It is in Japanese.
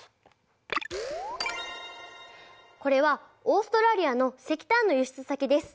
これはオーストラリアの石炭の輸出先です。